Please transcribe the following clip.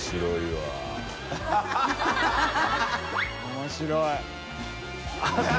面白い。